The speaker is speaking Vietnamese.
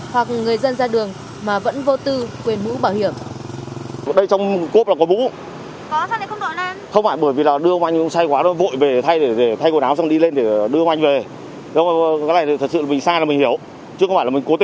hoặc người dân ra đường mà vẫn vô tư quyền bũ bảo hiểm